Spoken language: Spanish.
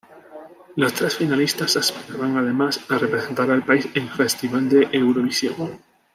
Los tres finalistas aspiraban además a representar al país en Festival de Eurovisión.